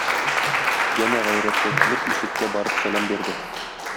Янә гайрәткә килеп, ишеккә барып сәлам бирде.